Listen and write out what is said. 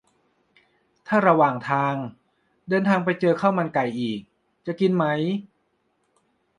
ถ้าระหว่างทาง เดินไปเจอข้าวมันไก่อีก จะกินไหม ?